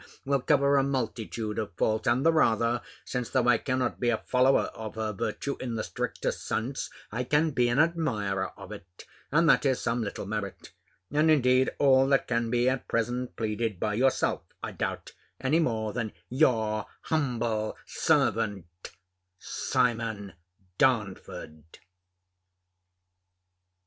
will cover a multitude of faults; and the rather, since, though I cannot be a follower of her virtue in the strictest sense, I can be an admirer of it; and that is some little merit: and indeed all that can be at present pleaded by yourself, I doubt, any more than your humble servant, SIMON DARNFORD.